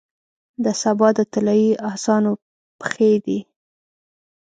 د سبا د طلایې اسانو پښې دی،